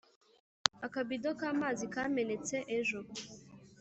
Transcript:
akabido kamazi kametse ejo